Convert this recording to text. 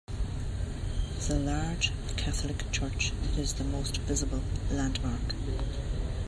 The large Catholic church is the most visible landmark.